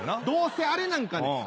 どうせあれなんかね